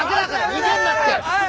逃げるなって！